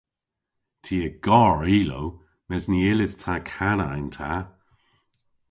Ty a gar ilow mes ny yllydh ta kana yn ta.